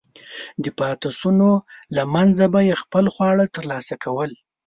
د پاتېشونو له منځه به یې خپل خواړه ترلاسه کول.